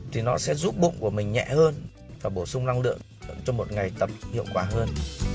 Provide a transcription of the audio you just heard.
thì nó sẽ giúp bụng của mình nhẹ hơn và bổ sung năng lượng cho một ngày tập hiệu quả hơn